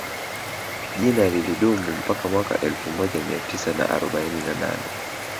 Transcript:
Jina lilidumu mpaka mwaka elfu moja Mia Tisa na arobaini na nane